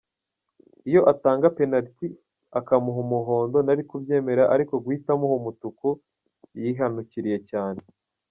Iyo atanga penaliti akamuha umuhondo nari kubyemera ariko guhita amuha umutuku yihanukuriye cyane.